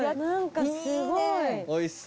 何かすごい。